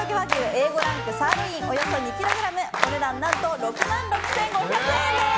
Ａ５ランクサーロインおよそ２ｋｇお値段何と６万６５００円です。